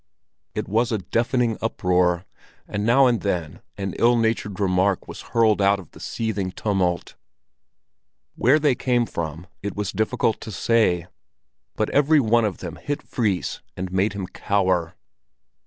It was a deafening uproar, and now and then an ill natured remark was hurled out of the seething tumult. Where they came from it was difficult to say; but every one of them hit Fris and made him cower.